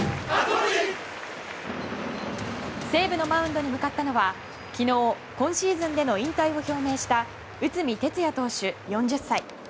西武のマウンドに向かったのは昨日、今シーズンでの引退を表明した内海哲也投手、４０歳。